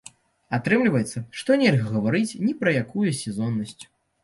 Атрымліваецца, што нельга гаварыць ні пра якую сезоннасць.